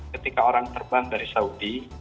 ketika orang terbang dari saudi